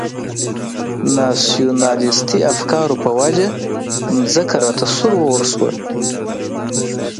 ناسیونالیستي افکارو په وجه مځکه راته سور اور شوه.